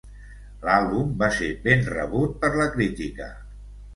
L'àlbum va ser ben rebut per la crítica.